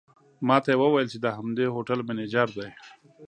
ماته یې وویل چې د همدې هوټل منیجر دی.